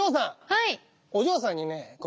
はい。